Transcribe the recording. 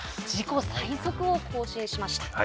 自己最速を更新しました。